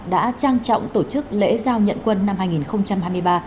đã trang trọng tổ chức lễ giao nhận quân năm hai nghìn hai mươi ba